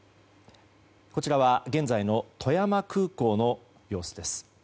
こちらは現在の富山空港の様子です。